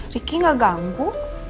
ricky gak ganggu